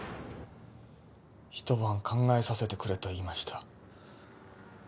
一晩考えさせてくれと言いました。